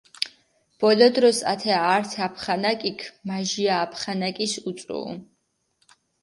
ბოლო დროს ათე ართი აფხანაკიქ მაჟირა აფხანაკის უწუუ.